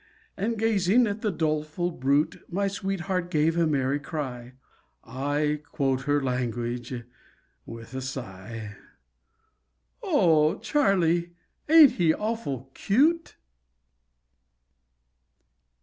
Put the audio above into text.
And gazing at the doleful brute My sweetheart gave a merry cry I quote her language with a sigh "O Charlie, ain't he awful cute?"